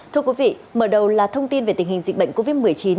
thưa quý vị mở đầu là thông tin về tình hình dịch bệnh covid một mươi chín